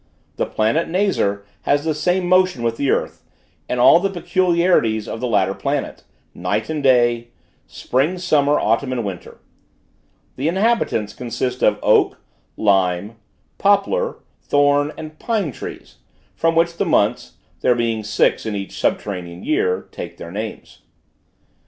The planet Nazar has the same motion with the earth, and all the peculiarities of the latter planet: night and day; spring, summer, autumn, and winter. The inhabitants consist of oak, lime, poplar, thorn, and pine trees, from which the months there being six in each subterranean year take their names.